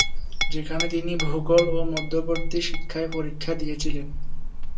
যেখানে তিনি ভূগোল ও মধ্যবর্তী শিক্ষায় পরীক্ষা দিয়েছিলেন।